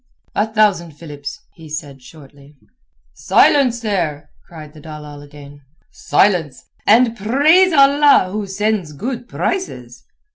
"A thousand philips," said he shortly. "Silence there!" cried the dalal again. "Silence, and praise Allah who sends good prices."